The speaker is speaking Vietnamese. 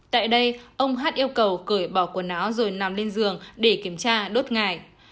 tại đây ông hát yêu cầu cởi bỏ quần áo rồi nằm lên giường để kiểm tra đốt ngài